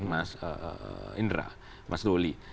mas indra mas doli